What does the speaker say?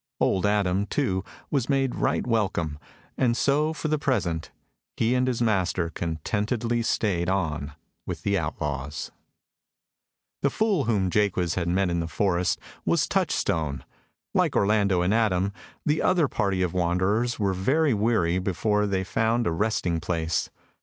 Old Adam, too, was made right welcome; and so, for the present, he and his master contentedly stayed on with the outlaws. The fool whom Jaques had met in the forest was Touchstone. Like Orlando and Adam, the other party of wanderers were very weary before they found a resting place.